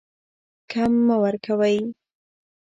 کم مه ورکوئ.